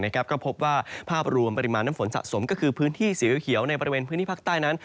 ก็พบว่าภาพรวมปริมาณน้ำฝนสะสมก็คือพื้นที่สีเขียวในบริเวณพื้นที่ภาคใต้นั้น